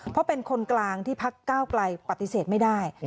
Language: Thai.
เพราะเป็นคนกลางที่พักก้าวไกลปฏิเสธไม่ได้